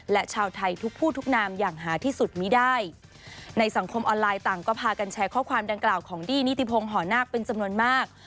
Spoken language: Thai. และชาวไทยทุกผู้ทุกนามอย่างหาที่สุดมีได้ในสังคมออนไลน์ต่างก็พากันแชร์ข้อความดังกล่าวของดี้นิติพงศ์หอนาคเป็นจำนวนมาก